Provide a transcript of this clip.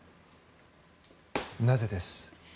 なぜです？